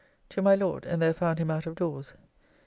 To my Lord, and there found him out of doors.